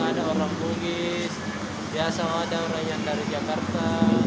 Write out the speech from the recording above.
ada orang bugis biasa ada orang yang dari jakarta